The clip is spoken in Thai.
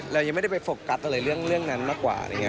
เรายังไม่ได้ไปโฟกัสอะไรเรื่องนั้นมากกว่า